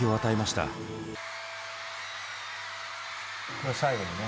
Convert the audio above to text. これ最後だね。